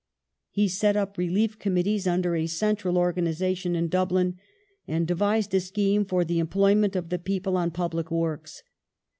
He set up relief committees under a central organization in Dublin and devised a scheme for the employment of the people on public works.